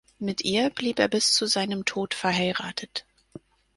Mit ihr blieb er bis zu seinem Tod verheiratet.